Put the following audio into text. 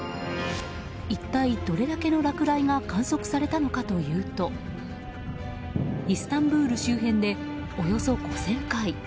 一体どれだけの落雷が観測されたのかというとイスタンブール周辺でおよそ５０００回。